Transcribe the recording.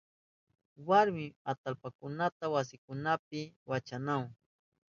Warmi atallpakunaka wasinkunapi wachanahun.